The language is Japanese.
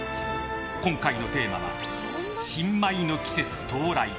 今回のテーマは新米の季節到来。